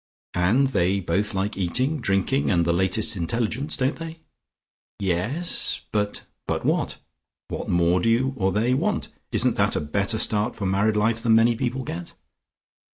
And they both like eating, drinking and the latest intelligence. Don't they?" "Yes. But " "But what? What more do you or they want? Isn't that a better start for married life than many people get?"